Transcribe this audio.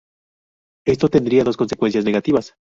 Esto tendría dos consecuencias negativas.